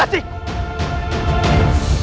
aku suka dengan tontonan